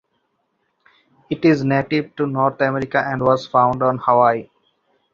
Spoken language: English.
It is native to North America and was found on Hawaii.